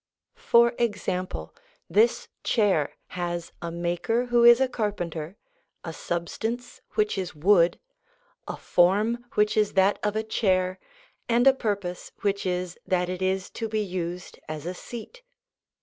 For example, this chair has a maker who is a carpenter, a substance which is wood, a form which is that of a chair, and a purpose which is that it is to be used as a seat.